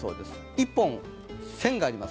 １本線があります。